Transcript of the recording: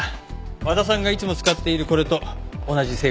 和田さんがいつも使っているこれと同じ成分です。